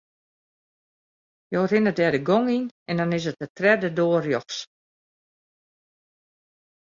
Jo rinne dêr de gong yn en dan is it de tredde doar rjochts.